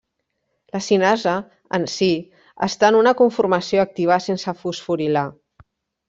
La cinasa en si està en una conformació activa sense fosforilar.